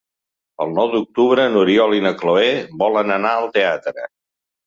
El nou d'octubre n'Oriol i na Cloè volen anar al teatre.